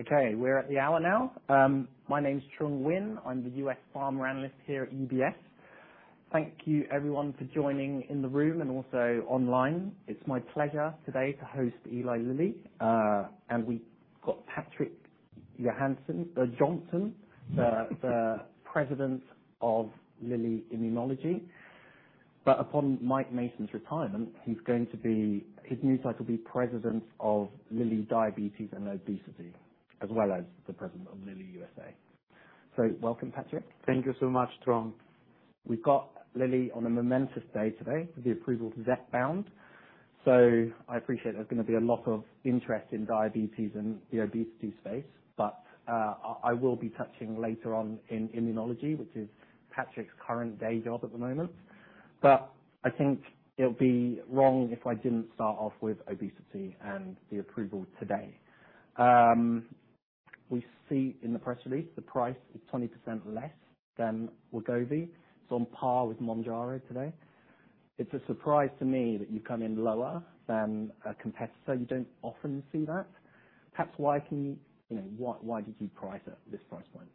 Okay, we're at the hour now. My name's Trung Huynh. I'm the U.S. Pharma Analyst here at UBS. Thank you everyone for joining in the room and also online. It's my pleasure today to host Eli Lilly. And we've got Patrik Jonsson, the President of Lilly Immunology. But upon Mike Mason's retirement, he's going to be his new title will be President of Lilly Diabetes and Obesity, as well as the President of Lilly USA. So welcome, Patrik. Thank you so much, Trung. We've got Lilly on a momentous day today, with the approval of Zepbound. So I appreciate there's gonna be a lot of interest in diabetes and the obesity space, but I will be touching later on in immunology, which is Patrik's current day job at the moment. But I think it would be wrong if I didn't start off with obesity and the approval today. We see in the press release, the price is 20% less than Wegovy. It's on par with Mounjaro today. It's a surprise to me that you've come in lower than a competitor. You don't often see that. Perhaps why can you... You know, why, why did you price it at this price point?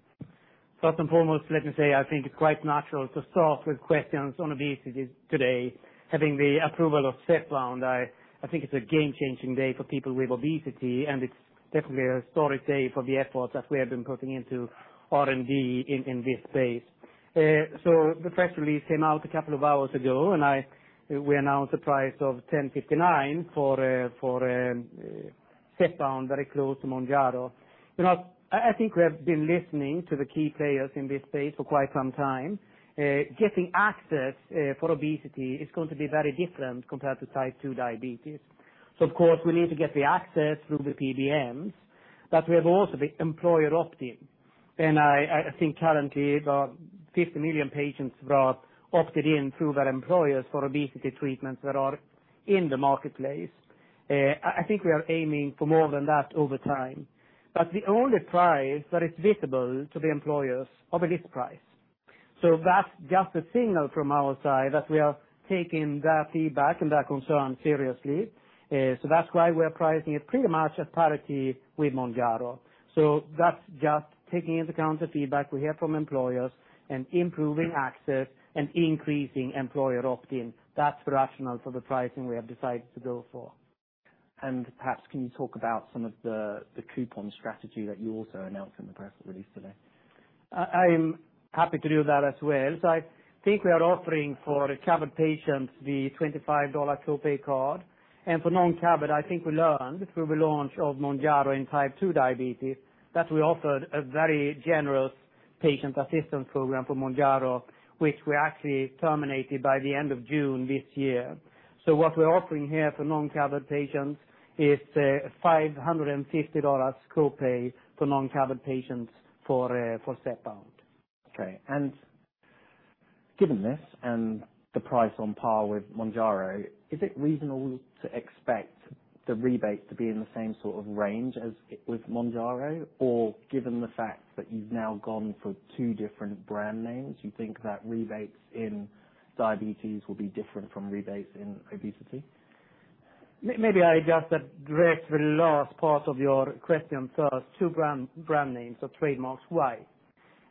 First and foremost, let me say, I think it's quite natural to start with questions on obesity today, having the approval of Zepbound. I think it's a game-changing day for people with obesity, and it's definitely a historic day for the efforts that we have been putting into R&D in this space. So the press release came out a couple of hours ago, and we announced a price of $1,059 for Zepbound, very close to Mounjaro. You know, I think we have been listening to the key players in this space for quite some time. Getting access for obesity is going to be very different compared to type 2 diabetes. So of course, we need to get the access through the PBMs, but we have also the employer opt-in. I think currently, about 50 million patients that opted in through their employers for obesity treatments that are in the marketplace. I think we are aiming for more than that over time. But the only price that is visible to the employers are the list price. So that's just a signal from our side, that we are taking their feedback and their concern seriously. So that's why we're pricing it pretty much at parity with Mounjaro. So that's just taking into account the feedback we hear from employers and improving access and increasing employer opt-in. That's the rationale for the pricing we have decided to go for. Perhaps can you talk about some of the coupon strategy that you also announced in the press release today? I'm happy to do that as well. So I think we are offering, for covered patients, the $25 copay card. And for non-covered, I think we learned through the launch of Mounjaro in type 2 diabetes, that we offered a very generous patient assistance program for Mounjaro, which we actually terminated by the end of June this year. So what we're offering here for non-covered patients is $550 copay for non-covered patients for Zepbound. Okay. And given this, and the price on par with Mounjaro, is it reasonable to expect the rebate to be in the same sort of range as it with Mounjaro? Or given the fact that you've now gone for two different brand names, you think that rebates in diabetes will be different from rebates in obesity? Maybe I just address the last part of your question first. Two brand, brand names or trademarks. Why?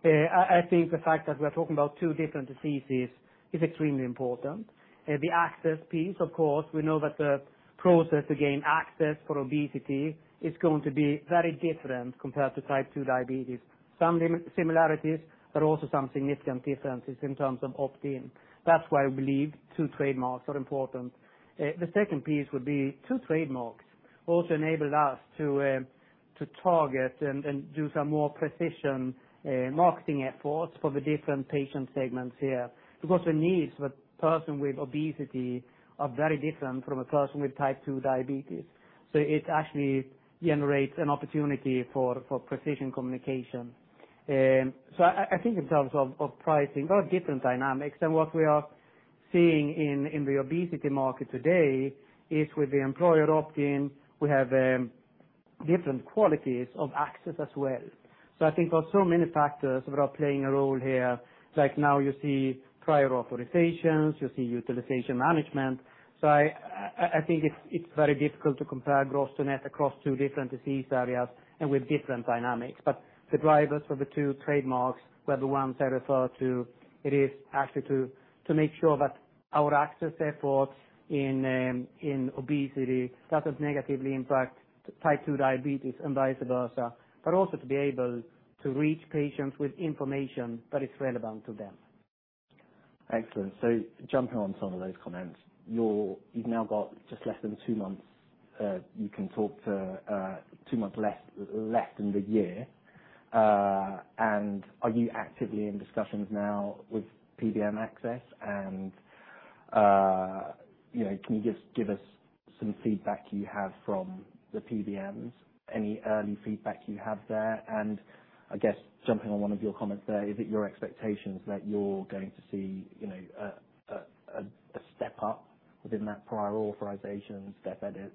I think the fact that we're talking about two different diseases is extremely important. The access piece, of course, we know that the process to gain access for obesity is going to be very different compared to type 2 diabetes. Some similarities, but also some significant differences in terms of opt-in. That's why we believe two trademarks are important. The second piece would be two trademarks also enabled us to to target and do some more precision marketing efforts for the different patient segments here. Because the needs of a person with obesity are very different from a person with type 2 diabetes, so it actually generates an opportunity for precision communication. So I think in terms of pricing, there are different dynamics, and what we are seeing in the obesity market today is, with the employer opt-in, we have different qualities of access as well. So I think there are so many factors that are playing a role here. Like now, you see prior authorizations, you see utilization management. So I think it's very difficult to compare gross to net across two different disease areas and with different dynamics. But the drivers for the two trademarks were the ones I referred to. It is actually to make sure that our access efforts in obesity doesn't negatively impact type 2 diabetes and vice versa, but also to be able to reach patients with information that is relevant to them. Excellent. So jumping on some of those comments, you've now got just less than two months, you can talk to, two months less, less than the year. And are you actively in discussions now with PBM access? And, you know, can you just give us some feedback you have from the PBMs, any early feedback you have there? And I guess jumping on one of your comments there, is it your expectations that you're going to see, you know, a step up within that prior authorization step edits?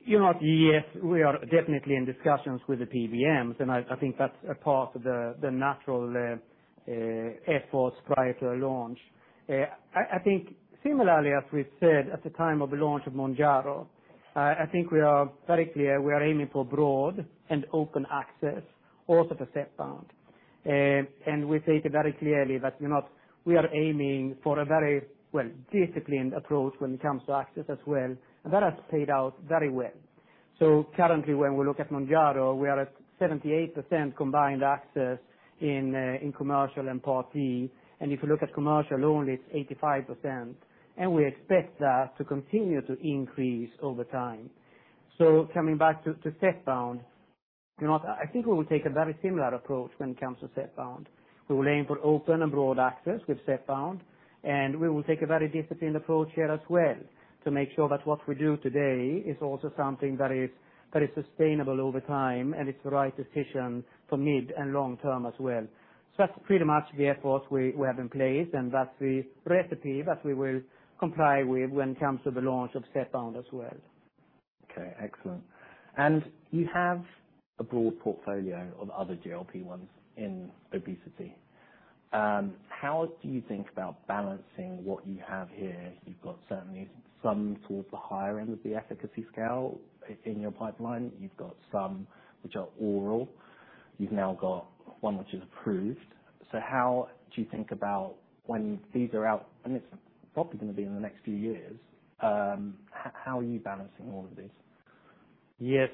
You know, yes, we are definitely in discussions with the PBMs, and I think that's a part of the natural efforts prior to a launch. I think similarly, as we said at the time of the launch of Mounjaro, I think we are very clear we are aiming for broad and open access also for Zepbound. And we stated very clearly that we are aiming for a very well disciplined approach when it comes to access as well, and that has played out very well. So currently, when we look at Mounjaro, we are at 78% combined access in commercial and Part D. And if you look at commercial only, it's 85%, and we expect that to continue to increase over time. Coming back to Zepbound, you know, I think we will take a very similar approach when it comes to Zepbound. We will aim for open and broad access with Zepbound, and we will take a very disciplined approach here as well, to make sure that what we do today is also something that is sustainable over time and it's the right decision for mid and long term as well. That's pretty much the efforts we have in place, and that's the recipe that we will comply with when it comes to the launch of Zepbound as well. Okay, excellent. And you have a broad portfolio of other GLP-1s in obesity. How do you think about balancing what you have here? You've got certainly some towards the higher end of the efficacy scale in your pipeline. You've got some which are oral. You've now got one which is approved. So how do you think about when these are out, and it's probably going to be in the next few years, how are you balancing all of this? Yes,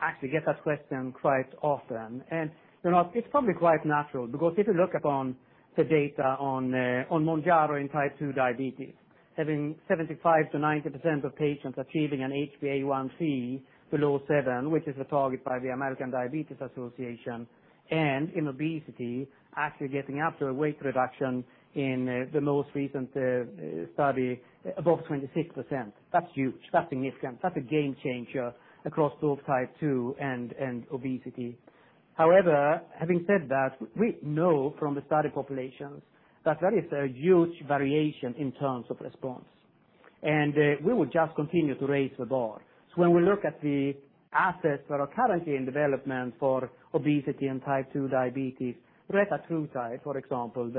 I actually get that question quite often. And, you know, it's probably quite natural, because if you look upon the data on Mounjaro in type 2 diabetes, having 75%-90% of patients achieving an HbA1c below seven, which is the target by the American Diabetes Association, and in obesity, actually getting up to a weight reduction in the most recent study above 26%. That's huge. That's significant. That's a game changer across both type 2 and obesity. However, having said that, we know from the study populations that there is a huge variation in terms of response. And we will just continue to raise the bar. So when we look at the assets that are currently in development for obesity and type 2 diabetes, retatrutide, for example,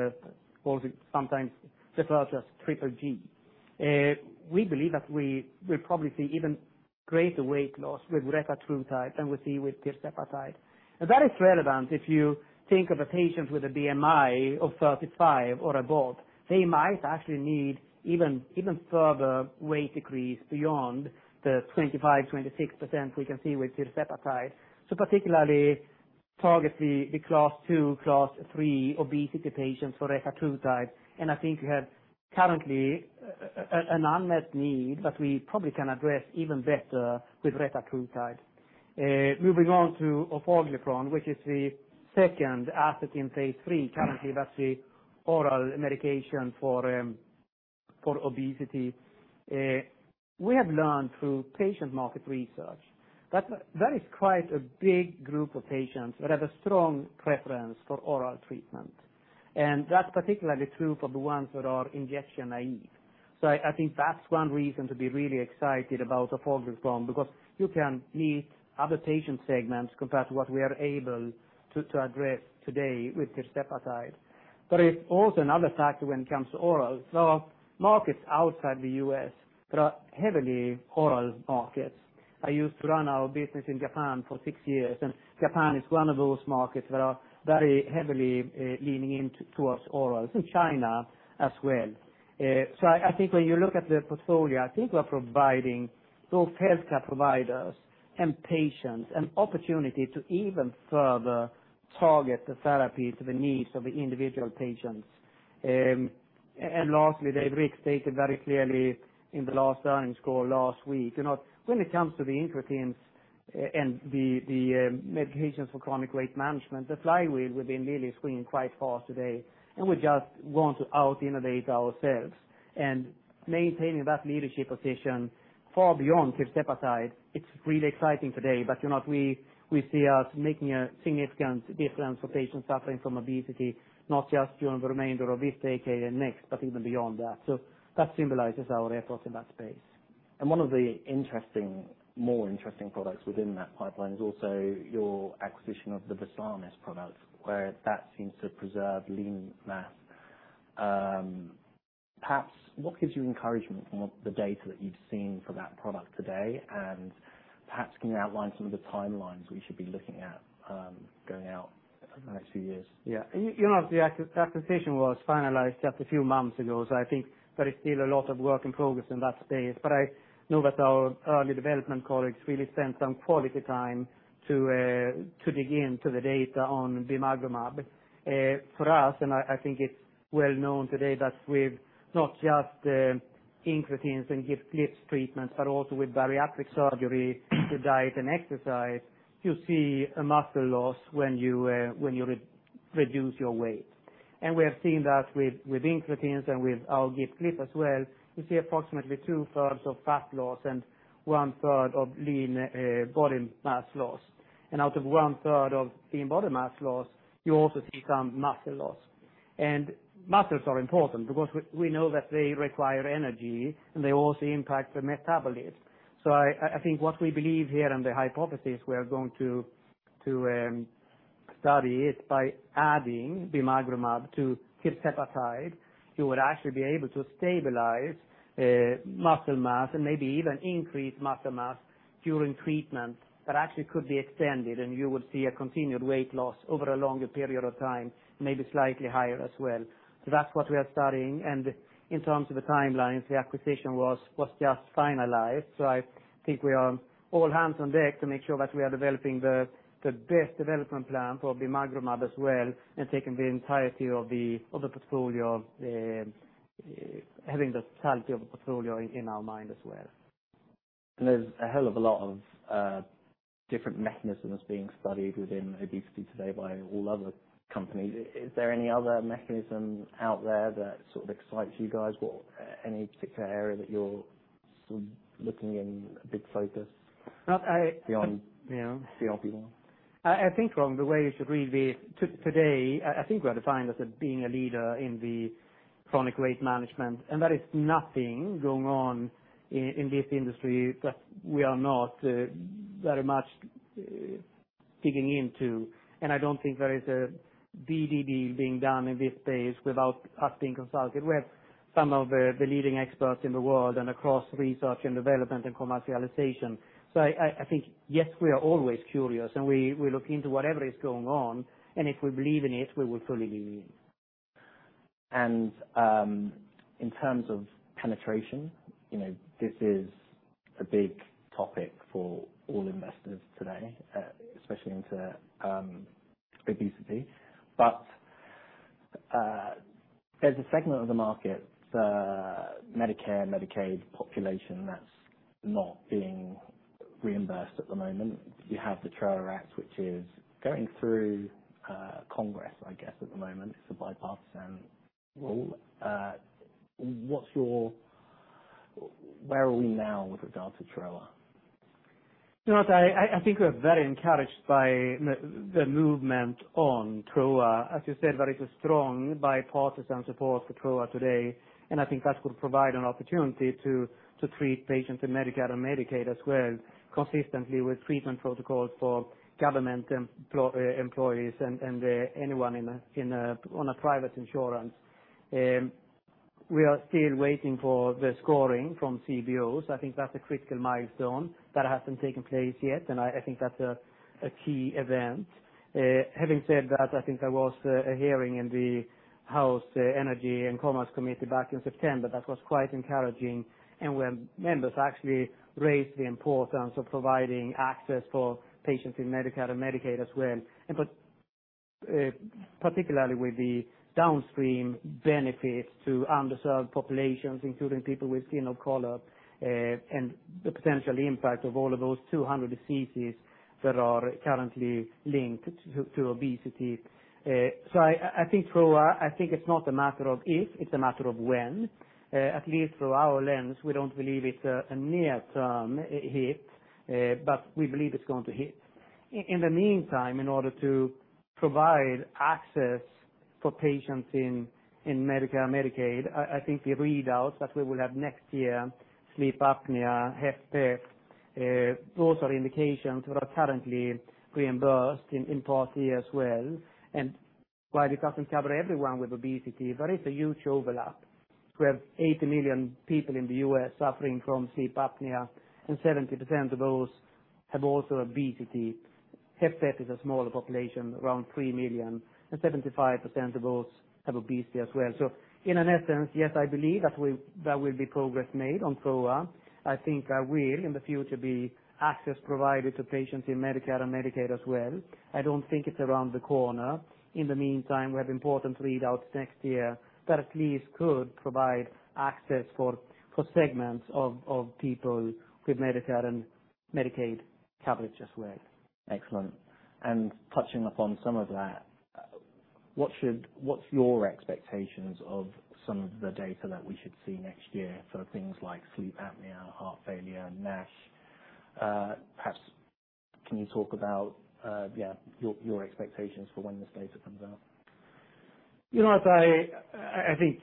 Sometimes referred to as Triple G. We believe that we will probably see even greater weight loss with retatrutide than we see with tirzepatide. And that is relevant if you think of a patient with a BMI of 35 or above, they might actually need even further weight decrease beyond the 25%-26% we can see with tirzepatide. So particularly target the class 2, class 3 obesity patients for retatrutide, and I think we have currently an unmet need that we probably can address even better with retatrutide. Moving on to orforglipron, which is the second asset in phase 3. Currently, that's the oral medication for obesity. We have learned through patient market research that there is quite a big group of patients that have a strong preference for oral treatment, and that's particularly true for the ones that are injection naive. So I think that's one reason to be really excited about orforglipron, because you can meet other patient segments compared to what we are able to address today with tirzepatide. But there's also another factor when it comes to oral. So markets outside the U.S. that are heavily oral markets. I used to run our business in Japan for six years, and Japan is one of those markets that are very heavily leaning in towards oral, so China as well. So I think when you look at the portfolio, I think we're providing both healthcare providers and patients an opportunity to even further target the therapy to the needs of the individual patients. And lastly, David stated very clearly in the last earnings call last week, you know, when it comes to the incretins and the medications for chronic weight management, the flywheel within Lilly is spinning quite fast today, and we just want to out-innovate ourselves. And maintaining that leadership position far beyond tirzepatide, it's really exciting today, but, you know, we see us making a significant difference for patients suffering from obesity, not just during the remainder of this decade and next, but even beyond that. So that symbolizes our efforts in that space. And one of the interesting, more interesting products within that pipeline is also your acquisition of the Versanis product, where that seems to preserve lean mass. Perhaps what gives you encouragement from the data that you've seen for that product today? And perhaps can you outline some of the timelines we should be looking at, going out over the next few years? Yeah. You know, the acquisition was finalized just a few months ago, so I think there is still a lot of work in progress in that space. But I know that our early development colleagues really spent some quality time to dig into the data on bimagrumab. For us, and I think it's well known today, that with not just incretins and GIP GLP treatments, but also with bariatric surgery, with diet and exercise, you see a muscle loss when you reduce your weight. And we have seen that with incretins and with our GIP GLP as well. You see approximately two-thirds of fat loss and one-third of lean body mass loss. And out of one-third of lean body mass loss, you also see some muscle loss. And muscles are important because we know that they require energy, and they also impact the metabolism. So I think what we believe here, and the hypothesis we are going to study is by adding bimagrumab to tirzepatide, you would actually be able to stabilize muscle mass and maybe even increase muscle mass during treatment. That actually could be extended, and you would see a continued weight loss over a longer period of time, maybe slightly higher as well. So that's what we are studying. In terms of the timelines, the acquisition was just finalized, so I think we are all hands on deck to make sure that we are developing the best development plan for bimagrumab as well, and taking the entirety of the portfolio, having the entirety of the portfolio in our mind as well. There's a hell of a lot of different mechanisms being studied within obesity today by all other companies. Is there any other mechanism out there that sort of excites you guys, or any particular area that you're sort of looking in a big focus? Uh, I- Beyond, you know, beyond beyond. I think from the way it should really be today, I think we are defined as being a leader in the chronic weight management, and there is nothing going on in this industry that we are not very much digging into. And I don't think there is a DDD being done in this space without us being consulted. We have some of the leading experts in the world and across research and development and commercialization. So I think, yes, we are always curious, and we look into whatever is going on, and if we believe in it, we will fully be in. And, in terms of penetration, you know, this is a big topic for all investors today, especially into obesity. But, there's a segment of the market, Medicare, Medicaid population, that's not being reimbursed at the moment. You have the TROA Act, which is going through, Congress, I guess, at the moment. It's a bipartisan rule. What's your... Where are we now with regards to TROA? You know what? I think we're very encouraged by the movement on TROA. As you said, there is a strong bipartisan support for TROA today, and I think that will provide an opportunity to treat patients in Medicare and Medicaid as well, consistently with treatment protocols for government employees and anyone on private insurance. We are still waiting for the scoring from CBO. I think that's a critical milestone that hasn't taken place yet, and I think that's a key event. Having said that, I think there was a hearing in the House Energy and Commerce Committee back in September that was quite encouraging, and where members actually raised the importance of providing access for patients in Medicare and Medicaid as well. But particularly with the downstream benefits to underserved populations, including people with skin of color, and the potential impact of all of those 200 diseases that are currently linked to obesity. So I think TROA, I think it's not a matter of if, it's a matter of when. At least through our lens, we don't believe it's a near-term hit, but we believe it's going to hit. In the meantime, in order to provide access for patients in Medicare, Medicaid, I think the readouts that we will have next year, sleep apnea, HFpEF, those are indications that are currently reimbursed in part D as well. And while it doesn't cover everyone with obesity, there is a huge overlap. We have 80 million people in the U.S. suffering from sleep apnea, and 70% of those have also obesity. HFpEF is a smaller population, around 3 million, and 75% of those have obesity as well. So in essence, yes, I believe that there will be progress made on TROA. I think there will, in the future, be access provided to patients in Medicare and Medicaid as well. I don't think it's around the corner. In the meantime, we have important readouts next year that at least could provide access for segments of people with Medicare and Medicaid coverage as well. Excellent. And touching upon some of that, what's your expectations of some of the data that we should see next year for things like sleep apnea, heart failure, NASH? Perhaps can you talk about, yeah, your expectations for when this data comes out? You know what? I think,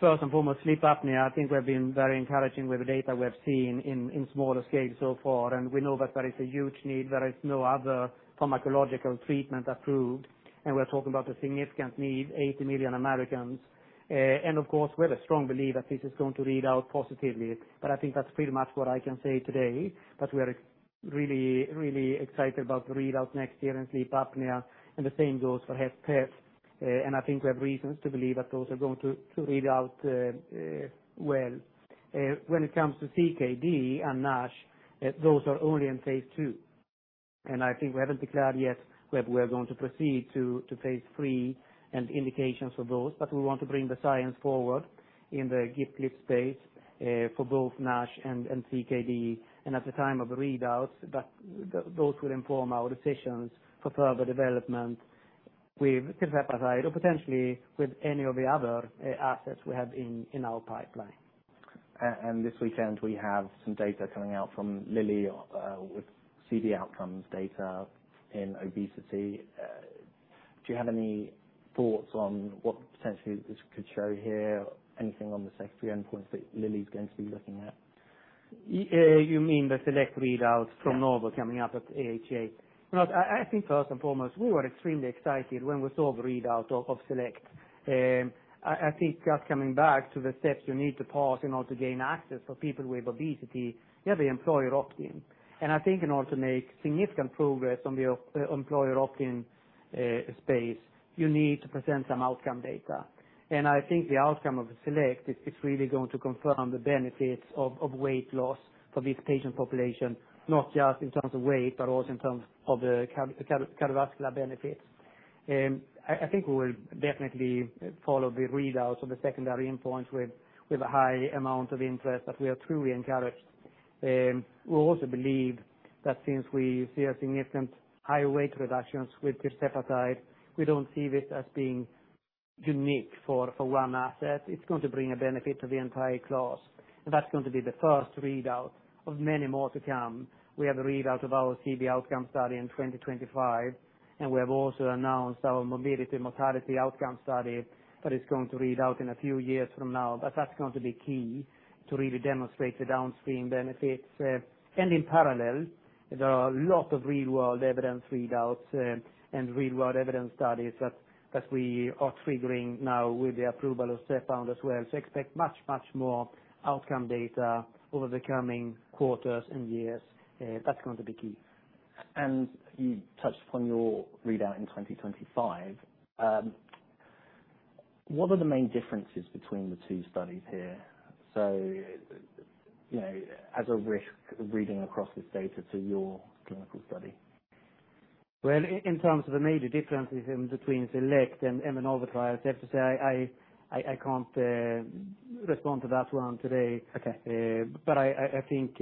first and foremost, sleep apnea. I think we've been very encouraging with the data we have seen in smaller scale so far, and we know that there is a huge need. There is no other pharmacological treatment approved, and we're talking about a significant need, 80 million Americans. And of course, we have a strong belief that this is going to read out positively, but I think that's pretty much what I can say today. But we are really, really excited about the readouts next year in sleep apnea, and the same goes for HFpEF. And I think we have reasons to believe that those are going to read out well. When it comes to CKD and NASH, those are only in phase 2, and I think we haven't declared yet whether we are going to proceed to phase 3 and indications for those. But we want to bring the science forward in the GLP-1 space, for both NASH and CKD, and at the time of the readouts, those will inform our decisions for further development with tirzepatide or potentially with any of the other assets we have in our pipeline. And this weekend, we have some data coming out from Lilly, with CV outcomes data in obesity. Do you have any thoughts on what potentially this could show here? Anything on the secondary endpoints that Lilly is going to be looking at? You mean the SELECT readouts from- Yeah. Novo coming up at AHA? No, I think first and foremost, we were extremely excited when we saw the readout of SELECT. I think just coming back to the steps you need to pass in order to gain access for people with obesity, you have the employer opt-in. And I think in order to make significant progress on the employer opt-in space, you need to present some outcome data. And I think the outcome of the SELECT, it's really going to confirm the benefits of weight loss for this patient population, not just in terms of weight, but also in terms of the cardiovascular benefits. I think we will definitely follow the readouts of the secondary endpoints with a high amount of interest, that we are truly encouraged. We also believe that since we see a significant higher weight reductions with tirzepatide, we don't see this as being unique for one asset. It's going to bring a benefit to the entire class, and that's going to be the first readout of many more to come. We have a readout of our CV outcome study in 2025, and we have also announced our morbidity and mortality outcome study, that is going to read out in a few years from now. But that's going to be key to really demonstrate the downstream benefits. And in parallel, there are a lot of real world evidence readouts, and real world evidence studies that we are triggering now with the approval of Zepbound as well. So expect much, much more outcome data over the coming quarters and years. That's going to be key. You touched upon your readout in 2025. What are the main differences between the two studies here? So, you know, as a risk reading across this data to your clinical study. Well, in terms of the major differences in between SELECT and the Novo trials, I have to say, I can't respond to that one today. Okay. But I think,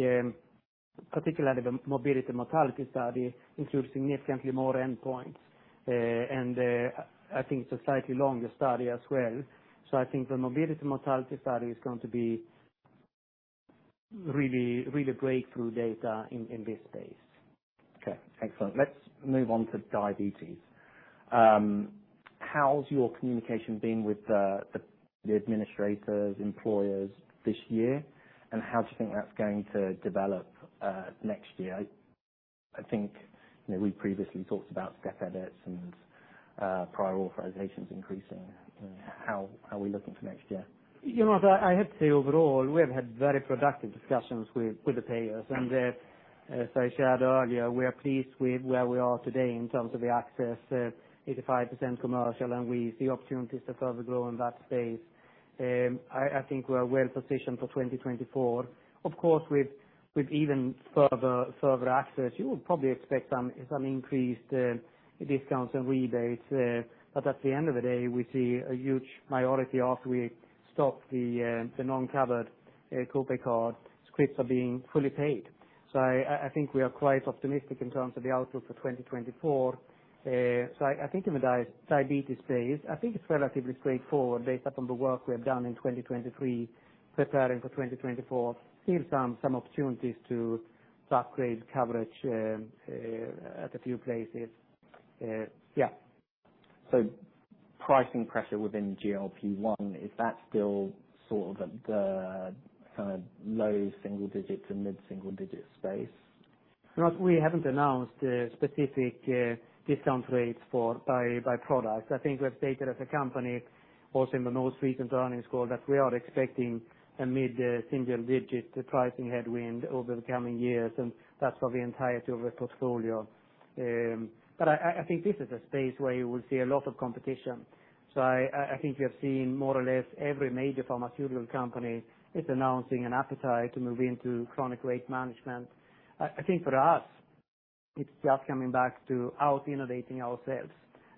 particularly the morbidity mortality study includes significantly more endpoints. And I think it's a slightly longer study as well. So I think the morbidity mortality study is going to be really, really breakthrough data in this space. Okay, excellent. Let's move on to diabetes. How's your communication been with the administrators, employers this year, and how do you think that's going to develop next year? I think, you know, we previously talked about step edits and prior authorizations increasing. How are we looking for next year? You know what? I, I have to say, overall, we have had very productive discussions with, with the payers. And, as I shared earlier, we are pleased with where we are today in terms of the access, 85% commercial, and we see opportunities to further grow in that space. I think we are well positioned for 2024. Of course, with, with even further, further access, you would probably expect some, some increased, discounts and rebates, but at the end of the day, we see a huge minority after we stop the, the non-covered, copay card, scripts are being fully paid. So I, I think we are quite optimistic in terms of the outlook for 2024. So I think in the diabetes space, I think it's relatively straightforward based upon the work we have done in 2023, preparing for 2024. Still some opportunities to upgrade coverage at a few places. Yeah. So pricing pressure within GLP-1, is that still sort of the kind of low single digits and mid-single digit space? We haven't announced a specific discount rates for by product. I think we have stated as a company, also in the most recent earnings call, that we are expecting a mid-single digit pricing headwind over the coming years, and that's for the entirety of the portfolio. But I think this is a space where you will see a lot of competition. So I think you have seen more or less every major pharmaceutical company announcing an appetite to move into chronic weight management. I think for us, it's just coming back to out-innovating ourselves.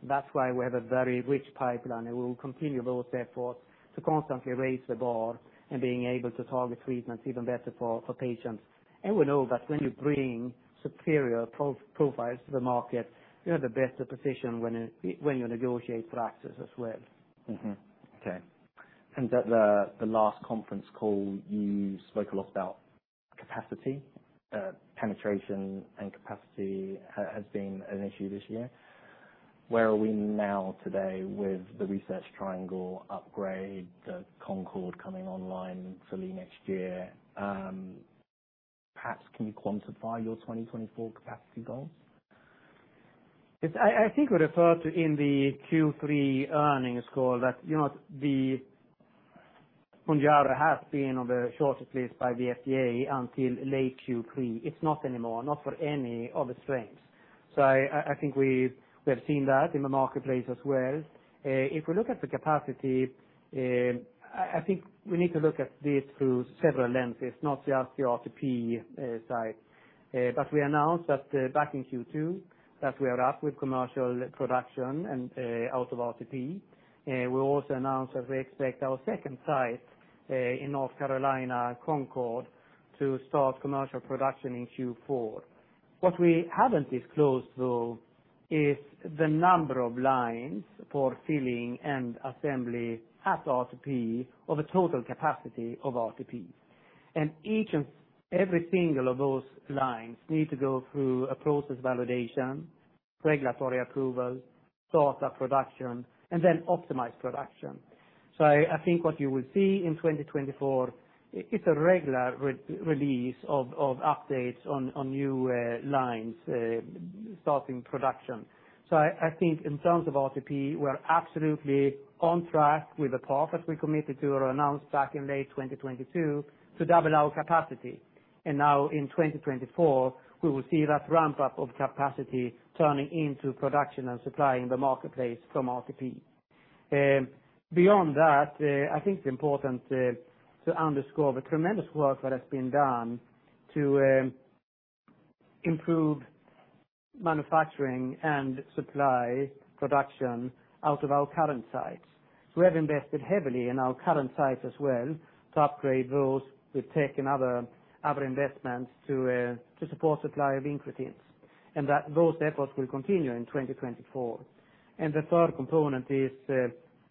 That's why we have a very rich pipeline, and we will continue those efforts to constantly raise the bar and being able to target treatments even better for patients. And we know that when you bring superior product profiles to the market, you're in a better position when you negotiate for access as well. Mm-hmm. Okay. At the last conference call, you spoke a lot about capacity. Penetration and capacity has been an issue this year. Where are we now today with the Research Triangle upgrade, the Concord coming online fully next year? Perhaps can you quantify your 2024 capacity goals? It's, I think we referred to in the Q3 earnings call that, you know, the Mounjaro has been on the shortage list by the FDA until late Q3. It's not anymore, not for any of the strengths. So I think we have seen that in the marketplace as well. If we look at the capacity, I think we need to look at this through several lenses, not just the RTP site. But we announced that back in Q2, that we are up with commercial production and out of RTP. We also announced that we expect our second site in North Carolina, Concord, to start commercial production in Q4. What we haven't disclosed, though, is the number of lines for filling and assembly at RTP or the total capacity of RTP. Each and every single of those lines need to go through a process validation, regulatory approval, start up production, and then optimize production. I think what you will see in 2024, it's a regular re-release of updates on new lines starting production. I think in terms of RTP, we are absolutely on track with the path that we committed to or announced back in late 2022, to double our capacity. Now in 2024, we will see that ramp up of capacity turning into production and supplying the marketplace from RTP. Beyond that, I think it's important to underscore the tremendous work that has been done to improve manufacturing and supply production out of our current sites. We have invested heavily in our current sites as well, to upgrade those with tech and other investments to support supply of incretins, and those efforts will continue in 2024. The third component is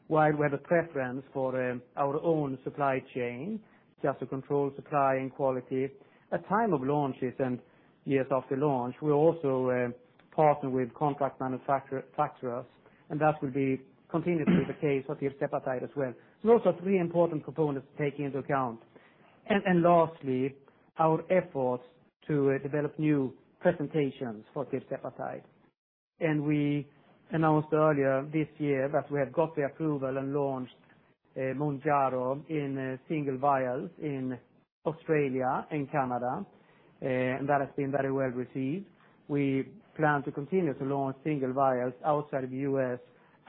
while we have a preference for our own supply chain, just to control supply and quality, at time of launches and years after launch, we're also partner with contract manufacturers, and that will be continuously the case for tirzepatide as well. So those are three important components to take into account. Lastly, our efforts to develop new presentations for tirzepatide. We announced earlier this year that we have got the approval and launched Mounjaro in single vials in Australia and Canada, and that has been very well received. We plan to continue to launch single vials outside of the US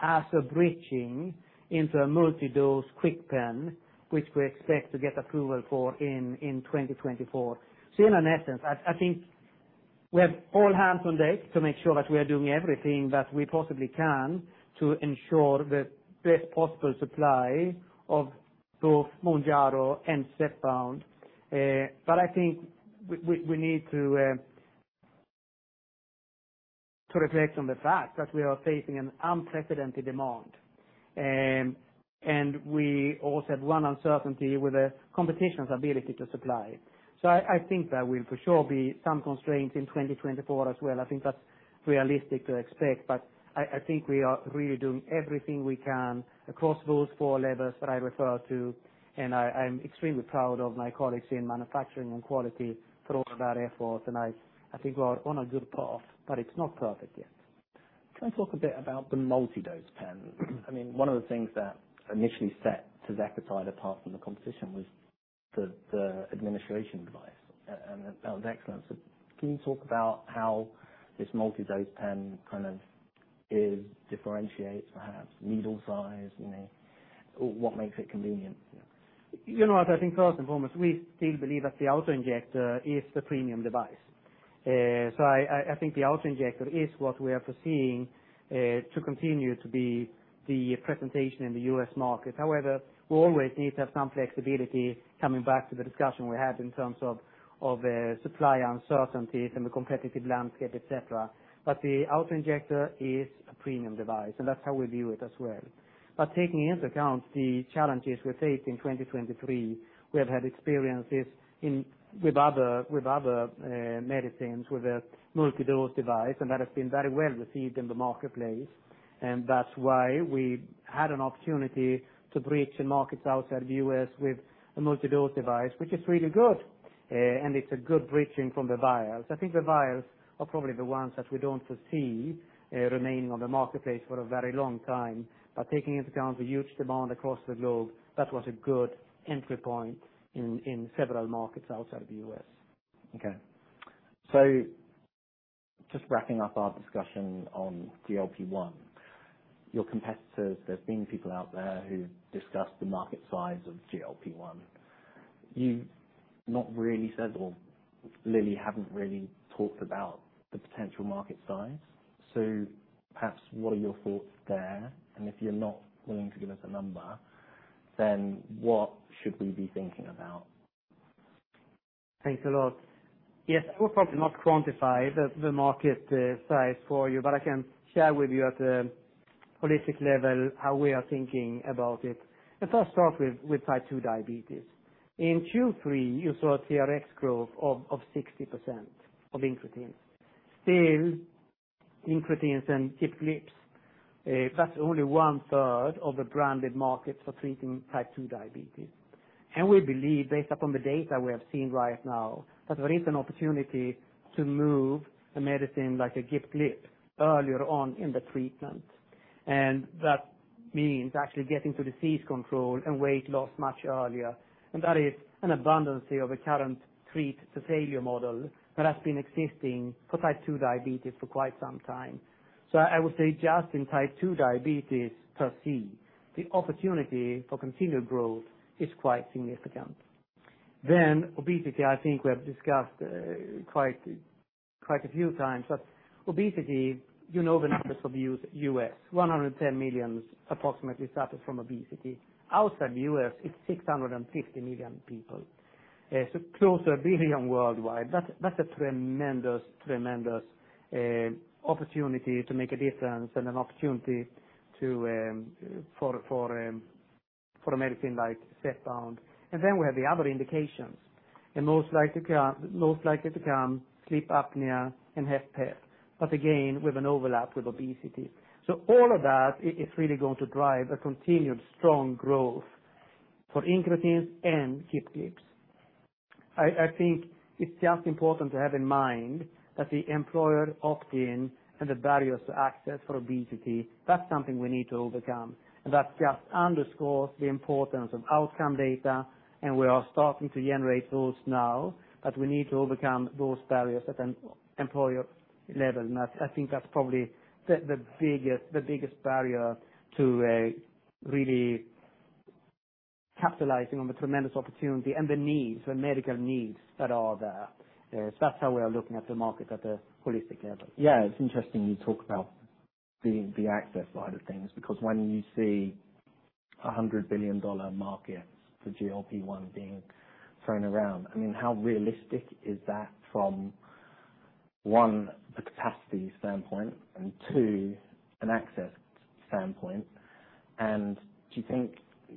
as a bridging into a multi-dose KwikPen, which we expect to get approval for in 2024. So in essence, I think we have all hands on deck to make sure that we are doing everything that we possibly can to ensure the best possible supply of both Mounjaro and Zepbound. But I think we need to reflect on the fact that we are facing an unprecedented demand. And we also have one uncertainty with the competition's ability to supply. So I think there will for sure be some constraints in 2024 as well. I think that's realistic to expect, but I think we are really doing everything we can across those four levels that I referred to, and I'm extremely proud of my colleagues in manufacturing and quality for all of that effort. And I think we're on a good path, but it's not perfect yet. Can I talk a bit about the multi-dose pen? I mean, one of the things that initially set tirzepatide apart from the competition was the administration device, and that was excellent. So can you talk about how this multi-dose pen kind of differentiates perhaps needle size, you know, what makes it convenient? You know what, I think first and foremost, we still believe that the auto-injector is the premium device. So I think the auto-injector is what we are foreseeing to continue to be the presentation in the U.S. market. However, we always need to have some flexibility coming back to the discussion we had in terms of supply uncertainties and the competitive landscape, et cetera. But the auto-injector is a premium device, and that's how we view it as well. But taking into account the challenges we faced in 2023, we have had experiences with other medicines with a multi-dose device, and that has been very well received in the marketplace. And that's why we had an opportunity to breach in markets outside the U.S. with a multi-dose device, which is really good, and it's a good bridging from the vials. I think the vials are probably the ones that we don't foresee remaining on the marketplace for a very long time. But taking into account the huge demand across the globe, that was a good entry point in several markets outside of the U.S. Okay. So just wrapping up our discussion on GLP-1. Your competitors, there's been people out there who've discussed the market size of GLP-1. You've not really said, or Lilly, haven't really talked about the potential market size. So perhaps what are your thoughts there? And if you're not willing to give us a number, then what should we be thinking about? Thanks a lot. Yes, I will probably not quantify the market size for you, but I can share with you at a holistic level, how we are thinking about it. Let us start with type 2 diabetes. In Q3, you saw TRX growth of 60% of incretins. Still, incretins and GLPs, that's only one third of the branded market for treating type 2 diabetes. And we believe, based upon the data we have seen right now, that there is an opportunity to move a medicine like a GIP/GLP earlier on in the treatment. And that means actually getting to disease control and weight loss much earlier, and that is an abundance of the current treat-to-failure model that has been existing for type 2 diabetes for quite some time. So I would say just in type 2 diabetes per se, the opportunity for continued growth is quite significant. Then obesity, I think we have discussed quite a few times, but obesity, you know the numbers of U.S., U.S., 110 million approximately suffer from obesity. Outside the U.S., it's 650 million people. So close to 1 billion worldwide. That's a tremendous opportunity to make a difference and an opportunity for a medicine like Zepbound. And then we have the other indications, and most likely to come, sleep apnea and HFpEF, but again, with an overlap with obesity. So all of that is really going to drive a continued strong growth for incretins and GLP-2s. I think it's just important to have in mind that the employer opt-in and the barriers to access for obesity, that's something we need to overcome, and that just underscores the importance of outcome data, and we are starting to generate those now, that we need to overcome those barriers at an employer level. That's—I think that's probably the biggest barrier to really capitalizing on the tremendous opportunity and the needs, the medical needs that are there. So that's how we are looking at the market at a holistic level. Yeah, it's interesting you talk about the access side of things, because when you see a $100 billion market for GLP-1 being thrown around, I mean, how realistic is that from, one, a capacity standpoint, and two, an access standpoint? And do you think...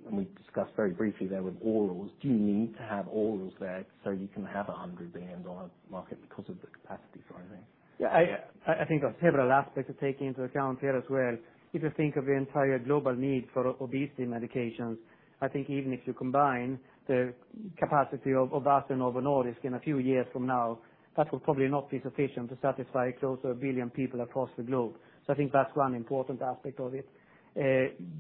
And we discussed very briefly there with orals, do you need to have orals there, so you can have a $100 billion market because of the capacity for anything? Yeah, I think there are several aspects to take into account here as well. If you think of the entire global need for obesity medications, I think even if you combine the capacity of Eli Lilly and Novo Nordisk in a few years from now, that will probably not be sufficient to satisfy close to 1 billion people across the globe. So I think that's one important aspect of it.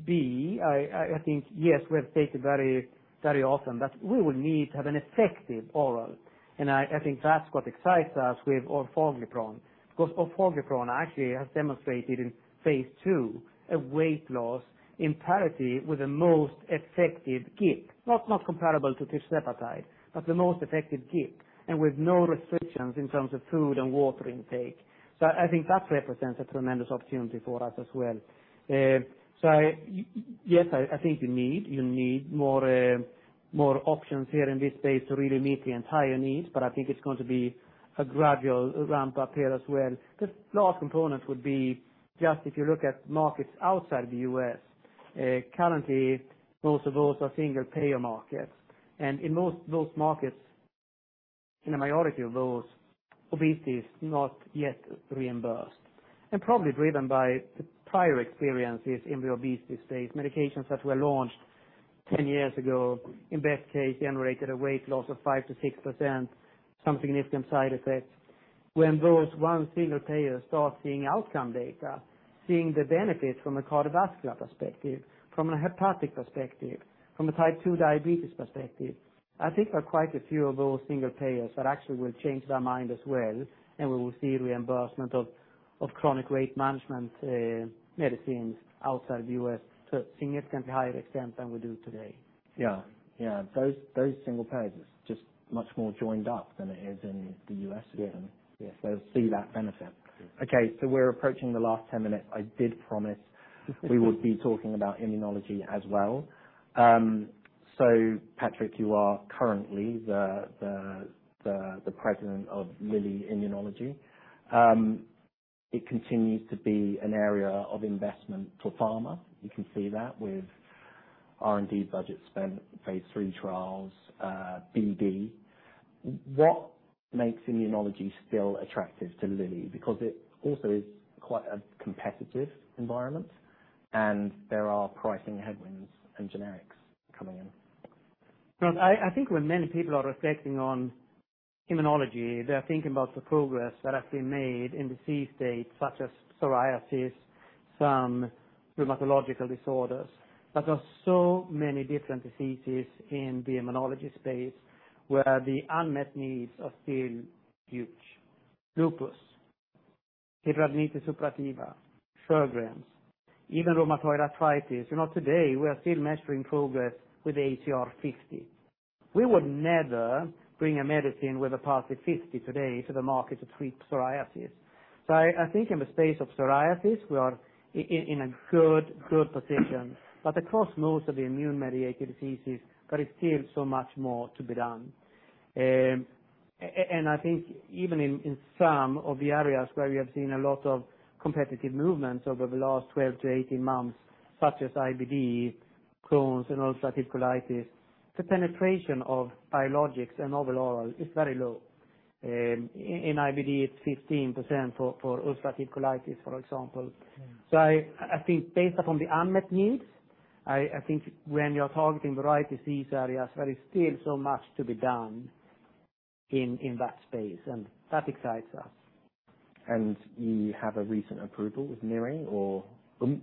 B, I think, yes, we have stated very, very often that we will need to have an effective oral, and I think that's what excites us with orforglipron. Because orforglipron actually has demonstrated in phase 2, a weight loss in parity with the most effective GLP, not comparable to tirzepatide, but the most effective GLP, and with no restrictions in terms of food and water intake. So I think that represents a tremendous opportunity for us as well. So yes, I think you need more options here in this space to really meet the entire need, but I think it's going to be a gradual ramp up here as well. The last component would be just if you look at markets outside the U.S., currently, most of those are single-payer markets. And in most of those markets, in a minority of those, obesity is not yet reimbursed, and probably driven by the prior experiences in the obesity space. Medications that were launched 10 years ago, in best case, generated a weight loss of 5%-6%, some significant side effects. When those one single payer start seeing outcome data, seeing the benefits from a cardiovascular perspective, from a hepatic perspective, from a type 2 diabetes perspective, I think there are quite a few of those single payers that actually will change their mind as well, and we will see reimbursement of chronic weight management medicines outside the US to a significantly higher extent than we do today. Yeah. Yeah, those, those single payers is just much more joined up than it is in the U.S. Yeah. Yes, they'll see that benefit. Yeah. Okay, so we're approaching the last 10 minutes. I did promise we would be talking about immunology as well. So Patrik, you are currently the president of Lilly Immunology. It continues to be an area of investment for pharma. You can see that with R&D budget spend, phase III trials, BD. What makes immunology still attractive to Lilly? Because it also is quite a competitive environment, and there are pricing headwinds and generics coming in. Well, I think when many people are reflecting on immunology, they are thinking about the progress that has been made in disease states, such as psoriasis, some rheumatological disorders. But there are so many different diseases in the immunology space, where the unmet needs are still huge. Lupus, hidradenitis suppurativa, Sjögren's, even rheumatoid arthritis. You know, today, we are still measuring progress with ACR50. We would never bring a medicine with an ACR50 today to the market to treat psoriasis. So I think in the space of psoriasis, we are in a good position. But across most of the immune-mediated diseases, there is still so much more to be done. And I think even in some of the areas where we have seen a lot of competitive movements over the last 12-18 months, such as IBD, Crohn's and ulcerative colitis, the penetration of biologics and overall is very low. In IBD, it's 15% for ulcerative colitis, for example. Mm. I think based upon the unmet needs, I think when you're targeting the right disease areas, there is still so much to be done in that space, and that excites us. And you have a recent approval with mirikizumab or Omvoh,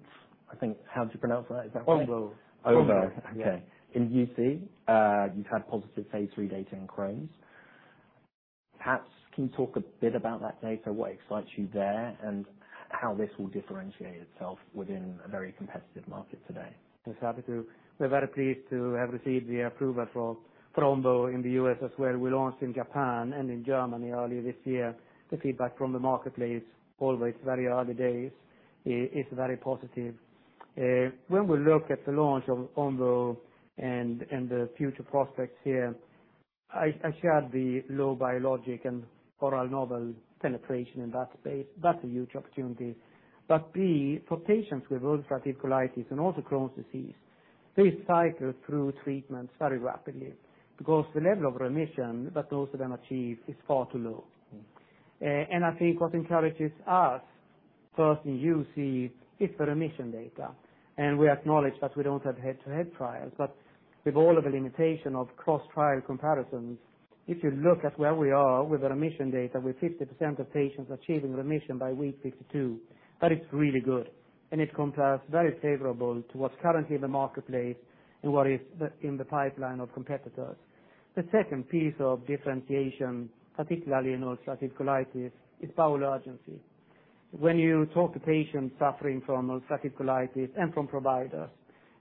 I think. How do you pronounce that? Is that- Omo. Omo. Yeah. Okay. In UC, you've had positive phase III data in Crohn's. Perhaps can you talk a bit about that data, what excites you there, and how this will differentiate itself within a very competitive market today? We're very pleased to have received the approval for Omvoh in the U.S. as well. We launched in Japan and in Germany earlier this year. The feedback from the marketplace, always very early days, is very positive. When we look at the launch of Omvoh and the future prospects here, I shared the low biologic and oral novel penetration in that space. That's a huge opportunity. But for patients with ulcerative colitis and also Crohn's disease, they cycle through treatments very rapidly because the level of remission that most of them achieve is far too low. And I think what encourages us, first, you see, is the remission data, and we acknowledge that we don't have head-to-head trials. With all of the limitation of cross-trial comparisons, if you look at where we are with the remission data, with 50% of patients achieving remission by week 52, that is really good, and it compares very favorable to what's currently in the marketplace and what is in the pipeline of competitors. The second piece of differentiation, particularly in ulcerative colitis, is bowel urgency. When you talk to patients suffering from ulcerative colitis and from providers,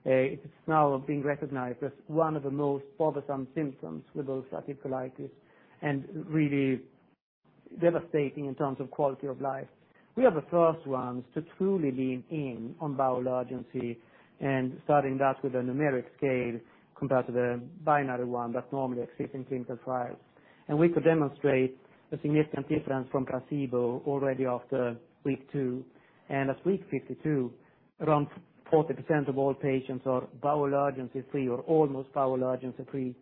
it's now being recognized as one of the most bothersome symptoms with ulcerative colitis, and really devastating in terms of quality of life. We are the first ones to truly lean in on bowel urgency and starting that with a numeric scale compared to the binary one that normally exists in clinical trials. We could demonstrate a significant difference from placebo already after week 2. At week 52, around 40% of all patients are bowel urgency free or almost bowel urgency free.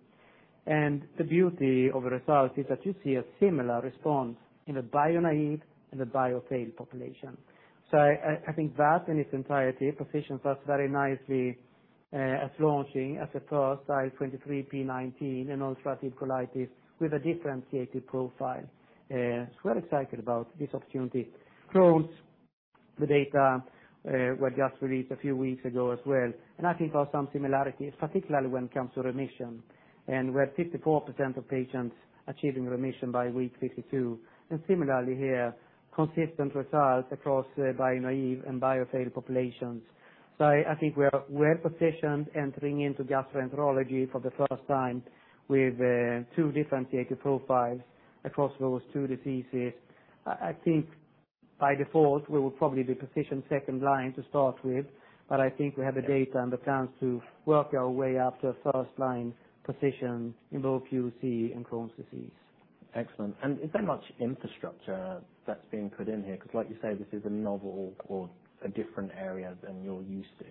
The beauty of the result is that you see a similar response in the bio-naive and the bio-failed population. So I think that, in its entirety, positions us very nicely at launching as the first IL-23p19 in ulcerative colitis with a differentiated profile. So we're excited about this opportunity. Crohn's, the data were just released a few weeks ago as well, and I think are some similarities, particularly when it comes to remission. We're at 54% of patients achieving remission by week 52, and similarly here, consistent results across bio-naive and bio-failed populations. So I think we are well positioned entering into gastroenterology for the first time with two differentiated profiles across those two diseases. I think by default, we will probably be positioned second line to start with, but I think we have the data and the plans to work our way up to a first-line position in both UC and Crohn's disease. Excellent. Is there much infrastructure that's being put in here? 'Cause like you say, this is a novel or a different area than you're used to.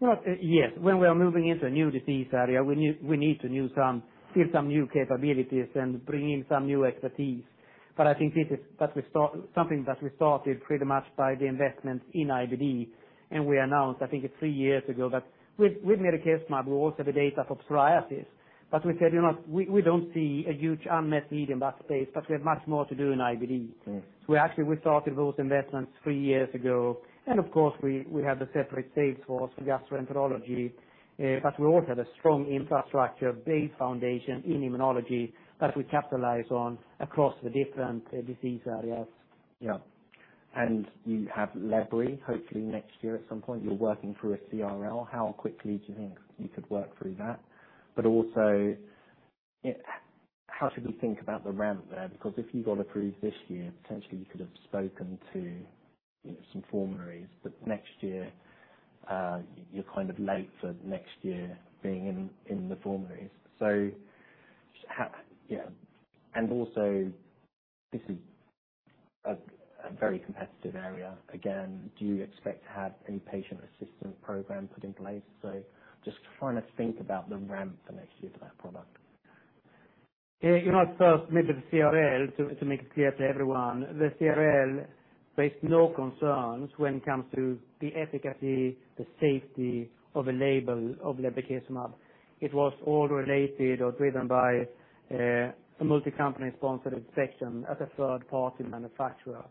Well, yes. When we are moving into a new disease area, we need to use some, build some new capabilities and bring in some new expertise. But I think this is something that we started pretty much by the investment in IBD, and we announced, I think it's three years ago, that with mirikizumab, we also have the data for psoriasis. But we said, "You know, we don't see a huge unmet need in that space, but we have much more to do in IBD. Mm. So we actually started those investments three years ago, and of course, we have the separate sales force for gastroenterology, but we also have a strong infrastructure base foundation in immunology that we capitalize on across the different disease areas. Yeah. And you have lebrikizumab, hopefully next year at some point. You're working through a CRL. How quickly do you think you could work through that? But also, how should we think about the ramp there? Because if you got approved this year, potentially you could have spoken to, you know, some formularies, but next year, you're kind of late for next year being in the formularies. So, yeah, and also, this is a very competitive area. Again, do you expect to have any patient assistance program put in place? So just trying to think about the ramp for next year for that product. Yeah, you know, first, maybe the CRL, to, to make it clear to everyone, the CRL raised no concerns when it comes to the efficacy, the safety of the label of lebrikizumab. It was all related or driven by a multi-company sponsored inspection as a third-party manufacturer.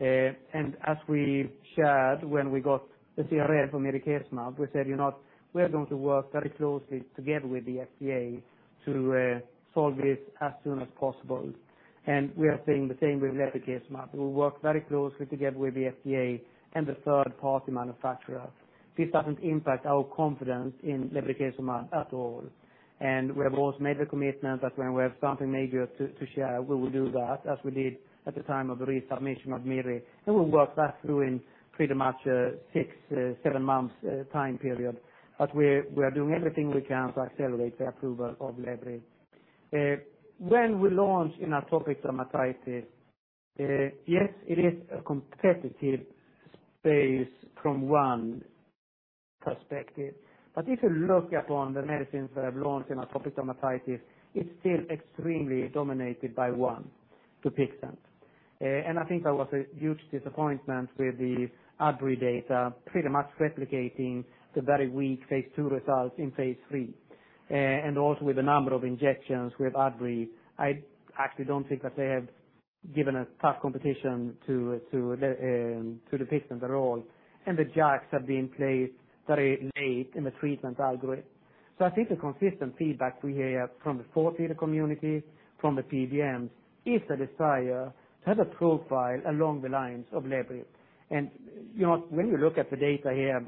And as we shared, when we got the CRL for mirikizumab, we said, "You know, we are going to work very closely together with the FDA to solve this as soon as possible." And we are saying the same with lebrikizumab. We work very closely together with the FDA and the third-party manufacturer. This doesn't impact our confidence in lebrikizumab at all. And we have also made the commitment that when we have something maybe to, to share, we will do that, as we did at the time of the resubmission of Miri. And we worked that through in pretty much six, seven months time period. But we're doing everything we can to accelerate the approval of lebrikizumab. When we launch in atopic dermatitis, yes, it is a competitive space from one perspective, but if you look upon the medicines that have launched in atopic dermatitis, it's still extremely dominated by one, Dupixent. And I think there was a huge disappointment with the Adbry data, pretty much replicating the very weak phase two results in phase three. And also with the number of injections with Adbry, I actually don't think that they have given a tough competition to Dupixent at all, and the JAKs have been placed very late in the treatment algorithm. So I think the consistent feedback we hear from the formulary community, from the PBMs, is the desire to have a profile along the lines of lebrikizumab. And, you know, when you look at the data here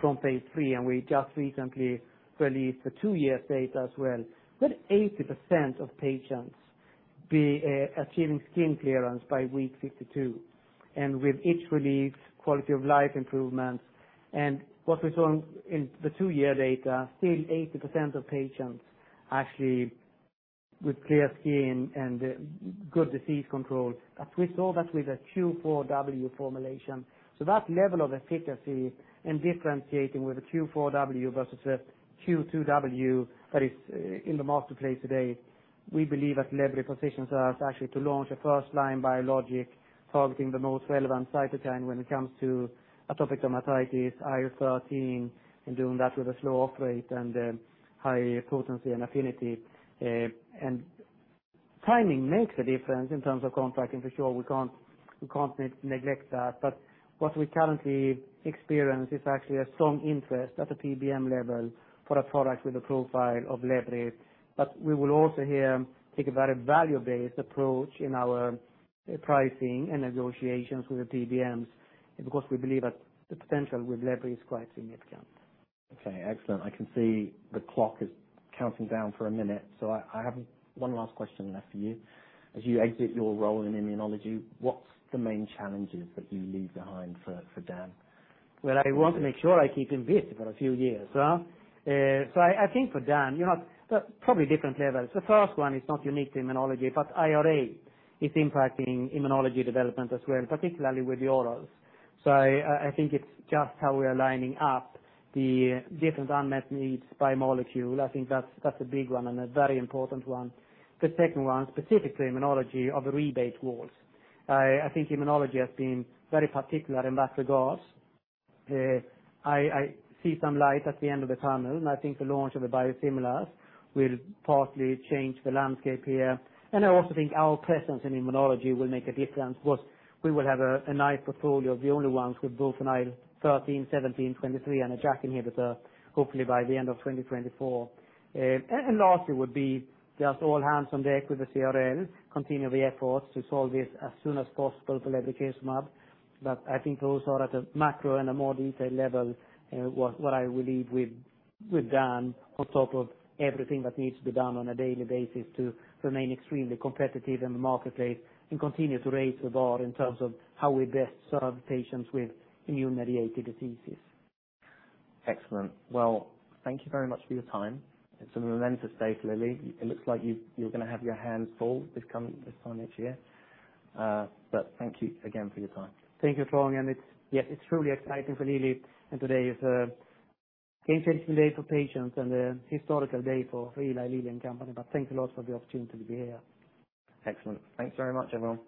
from phase three, and we just recently released the two-year data as well, with 80% of patients achieving skin clearance by week 52, and with itch relief, quality of life improvements. And what we saw in the two-year data, still 80% of patients actually with clear skin and good disease control, but we saw that with a Q4W formulation. So that level of efficacy and differentiating with a Q4W versus a Q2W that is in the marketplace today, we believe that lebrikizumab positions us actually to launch a first-line biologic targeting the most relevant cytokine when it comes to atopic dermatitis, IL-13, and doing that with a slow off rate and high potency and affinity. And timing makes a difference in terms of contracting for sure. We can't neglect that. But what we currently experience is actually a strong interest at the PBM level for a product with a profile of lebrikizumab. But we will also here take a very value-based approach in our pricing and negotiations with the PBMs, because we believe that the potential with lebrikizumab is quite significant. Okay, excellent. I can see the clock is counting down for a minute, so I have one last question left for you. As you exit your role in immunology, what's the main challenges that you leave behind for Dan? Well, I want to make sure I keep him busy for a few years, huh? So I, I think for Dan, you have probably different levels. The first one is not unique to immunology, but IRA is impacting immunology development as well, particularly with the orals. So I, I think it's just how we are lining up the different unmet needs by molecule. I think that's, that's a big one and a very important one. The second one, specifically immunology, are the rebate wars. I, I think immunology has been very particular in that regard. I, I see some light at the end of the tunnel, and I think the launch of the biosimilars will partly change the landscape here. I also think our presence in immunology will make a difference, because we will have a nice portfolio of the only ones with both IL-13, IL-17, IL-23 and a JAK inhibitor, hopefully by the end of 2024. And lastly, would be just all hands on deck with the CRL, continue the efforts to solve this as soon as possible for lebrikizumab. But I think those are at a macro and a more detailed level, what I will leave with Dan, on top of everything that needs to be done on a daily basis to remain extremely competitive in the marketplace and continue to raise the bar in terms of how we best serve patients with immune-mediated diseases. Excellent. Well, thank you very much for your time. It's a momentous day for Lilly. It looks like you're going to have your hands full this coming time next year. But thank you again for your time. Thank you, Trung. It's... Yes, it's truly exciting for Lilly, and today is a game-changing day for patients and a historical day for Eli Lilly and Company. But thanks a lot for the opportunity to be here. Excellent. Thanks very much, everyone.